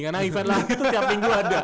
karena event lari itu tiap minggu ada